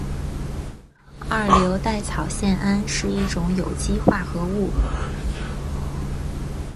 二硫代草酰胺是一种有机化合物。